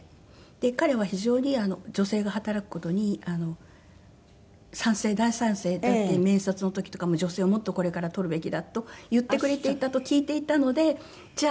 彼は非常に女性が働く事に賛成大賛成だって面接の時とかも女性をもっとこれから採るべきだと言ってくれていたと聞いていたのでじゃあ